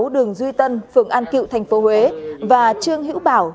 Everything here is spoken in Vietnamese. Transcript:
đường duy tân phường an cựu thành phố huế và trương hữu bảo